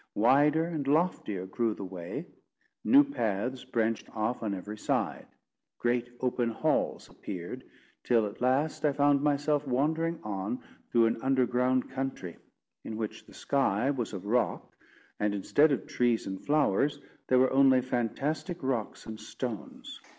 Wider and loftier grew the way; new paths branched off on every side; great open halls appeared; till at last I found myself wandering on through an underground country, in which the sky was of rock, and instead of trees and flowers, there were only fantastic rocks and stones.